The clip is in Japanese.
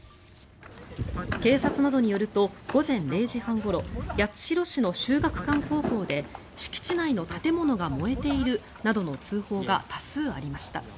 警察などによると午前０時半ごろ八代市の秀岳館高校で敷地内の建物が燃えているなどの通報が多数ありました。